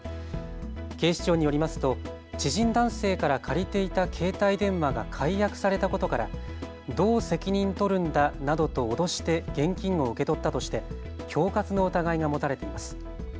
警視庁によりますと知人男性から借りていた携帯電話が解約されたことからどう責任取るんだなどと脅して現金を受け取ったとして恐喝の疑いが持たれています。